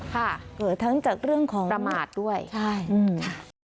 ค่ะเกิดทั้งจากเรื่องของประมาทด้วยใช่ค่ะ